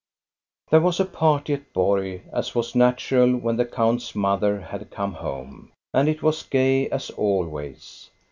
There was a party at Borg, as was natural, when the count's mother had come home. And it was gay as always.